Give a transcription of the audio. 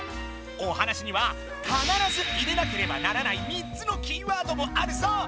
お話にはかならず入れなければならない３つのキーワードもあるぞ。